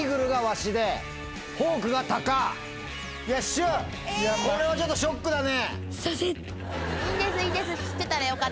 しゅんこれはちょっとショックだね。